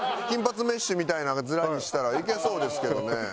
金髪メッシュみたいなヅラにしたらいけそうですけどね。